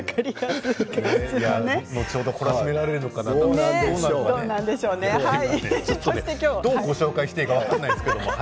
後ほど懲らしめられるのかなどうなのかなどうご紹介していいか分からないんですけど。